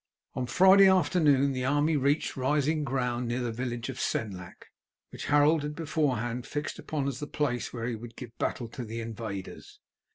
On Friday afternoon the army reached rising ground near the village of Senlac, which Harold had beforehand fixed upon as the place where he would give battle to the invaders.